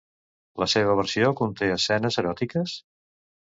La seva versió conté escenes eròtiques?